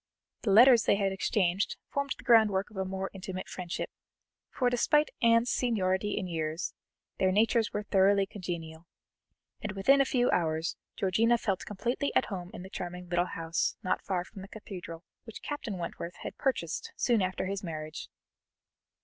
The letters they had exchanged formed the groundwork of a more intimate friendship, for despite Anne's seniority in years, their natures were thoroughly congenial, and within a few hours Georgiana felt completely at home in the charming little house not far from the Cathedral, which Captain Wentworth had purchased soon after his marriage.